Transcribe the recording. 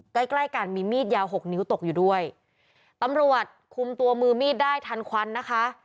ใกล้ใกล้กันมีมีดยาวหกนิ้วตกอยู่ด้วยตำรวจคุมตัวมือมีดได้ทันควันนะคะ